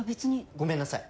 ごめんなさい。